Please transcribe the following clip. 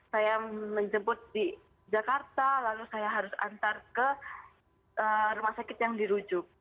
saya menjemput di jakarta lalu saya harus antar ke rumah sakit yang dirujuk